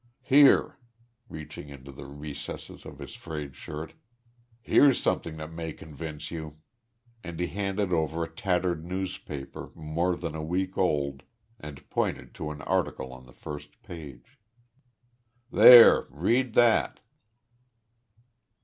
Here" reaching into the recesses of his frayed shirt "here's something that may convince you." And he handed over a tattered newspaper, more than a week old, and pointed to an article on the first page. "There, read that!"